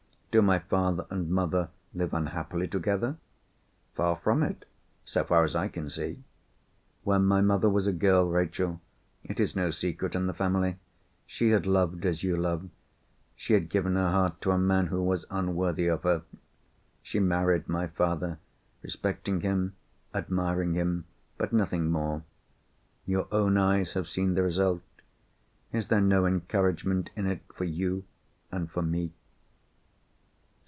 Do my father and mother live unhappily together?" "Far from it—so far as I can see." "When my mother was a girl, Rachel (it is no secret in the family), she had loved as you love—she had given her heart to a man who was unworthy of her. She married my father, respecting him, admiring him, but nothing more. Your own eyes have seen the result. Is there no encouragement in it for you and for me?"